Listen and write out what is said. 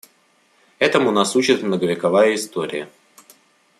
Этому нас учит многовековая история.